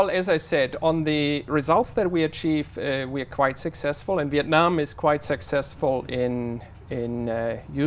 là hướng dẫn kế hoạch của chính phủ hướng dẫn kế hoạch của chính phủ